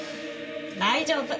大丈夫。